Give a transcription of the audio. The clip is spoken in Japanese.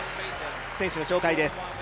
選手の紹介です。